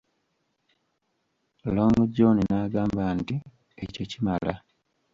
Long John n'agamba nti ekyo kimala.